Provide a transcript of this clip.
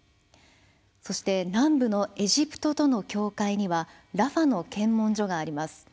そして南部のエジプトとの境界にはラファの検問所があります。